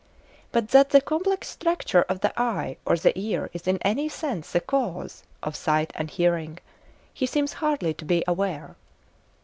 But that the complex structure of the eye or the ear is in any sense the cause of sight and hearing he seems hardly to be aware.